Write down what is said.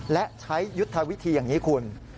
และใช้ยุทธวิธีอย่างนี้คุณ